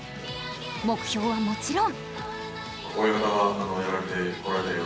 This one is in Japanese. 目標はもちろん。